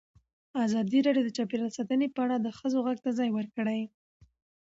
ازادي راډیو د چاپیریال ساتنه په اړه د ښځو غږ ته ځای ورکړی.